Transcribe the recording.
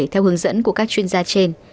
theo hướng dẫn của các chuyên gia trên